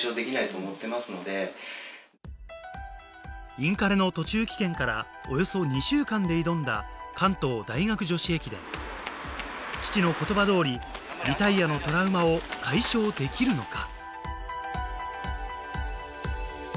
インカレの途中棄権からおよそ２週間で挑んだ関東大学女子駅伝父の言葉通りリタイアのトラウマを解消できるのか？